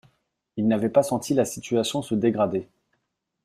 Il n’avait pas senti la situation se dégrader.